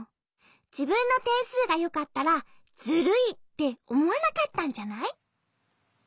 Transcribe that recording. じぶんのてんすうがよかったらズルいっておもわなかったんじゃない？